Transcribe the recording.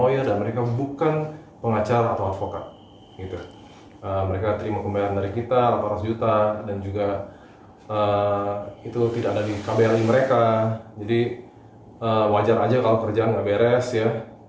jadi wajar aja kalau kerjaan gak beres ya